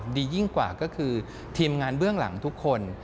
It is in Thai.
ดียิ่งกว่าก็คือทีมงานเบื้องหลังทุกคน